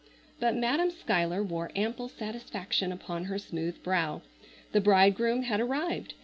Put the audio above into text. But Madam Schuyler wore ample satisfaction upon her smooth brow. The bridegroom had arrived.